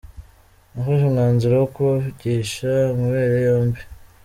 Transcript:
Nafashe umwanzuro wo kubagisha amabere yombi.